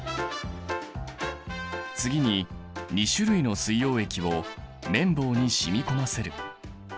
次に２種類の水溶液を綿棒に染み込ませる。